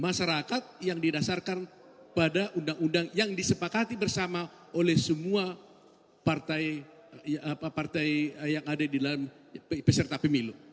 masyarakat yang didasarkan pada undang undang yang disepakati bersama oleh semua partai yang ada di dalam peserta pemilu